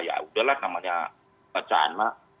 ya udahlah namanya pecahan pak